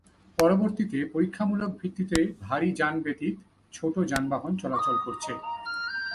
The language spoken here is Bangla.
পরবর্তীতে পরীক্ষামূলক ভিত্তিতে ভারী যান ব্যতীত ছোট যানবাহন চলাচল করছে।